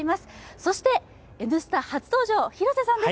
そして、「Ｎスタ」初登場広瀬さんです。